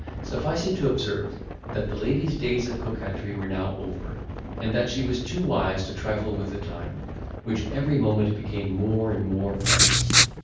Suffice it to observe, that the lady's days of coquetry were now over, and that she was too wise to trifle with the time, which every moment became more and more precious.